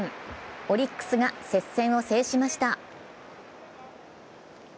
オリックスが接戦を制しました。